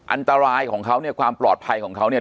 อันตรายของเขาเนี่ยความปลอดภัยของเขาเนี่ย